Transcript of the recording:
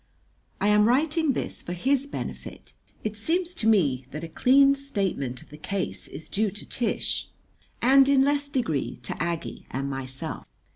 I am writing this for his benefit. It seems to me that a clean statement of the case is due to Tish, and, in less degree, to Aggie and myself.